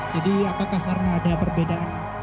jadi apakah karena ada perbedaan